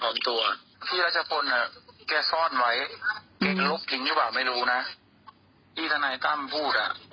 ให้ผมเป็นคนผู้ได้ยังไงล่ะนะครับ